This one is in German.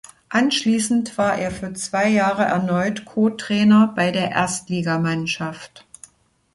Anschließend war er für zwei Jahre erneut Co-Trainer bei der Erstligamannschaft.